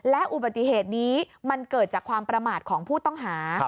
และอุบัติเหตุนี้มันเกิดจากความประมาทของผู้ต้องหา